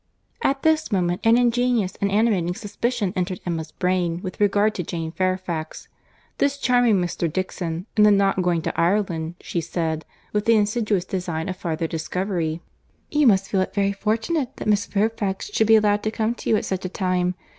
At this moment, an ingenious and animating suspicion entering Emma's brain with regard to Jane Fairfax, this charming Mr. Dixon, and the not going to Ireland, she said, with the insidious design of farther discovery, "You must feel it very fortunate that Miss Fairfax should be allowed to come to you at such a time.